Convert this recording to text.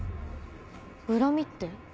恨みって？